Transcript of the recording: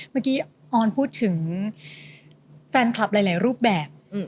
เมื่อกี้ออนพูดถึงแฟนคลับหลายรูปแบบ